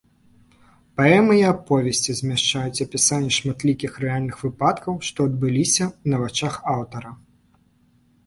Паэмы і аповесці змяшчаюць апісанне шматлікіх рэальных выпадкаў, што адбыліся на вачах аўтара.